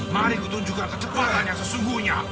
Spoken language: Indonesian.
mari kutunjukkan kecepatan yang sesungguhnya